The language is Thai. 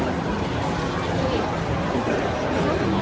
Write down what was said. ช่องความหล่อของพี่ต้องการอันนี้นะครับ